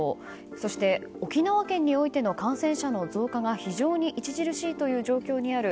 そして沖縄県においての感染者の増加が非常に著しいという状況にある。